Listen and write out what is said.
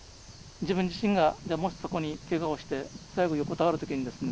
自分自身がもしそこにけがをして最後横たわる時にですね